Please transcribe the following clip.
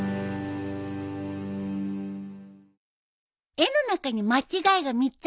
絵の中に間違いが３つあるよ。